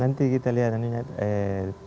nanti kita lihat nanti eh